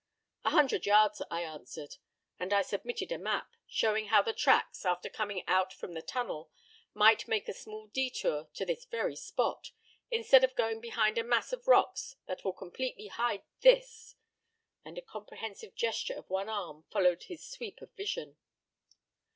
'A hundred yards,' I answered. And I submitted a map, showing how the tracks, after coming out from the tunnel, might make a small detour to this very spot, instead of going behind a mass of rocks that will completely hide this " and a comprehensive gesture of one arm followed his sweep of vision.